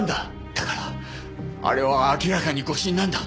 だからあれは明らかに誤審なんだ。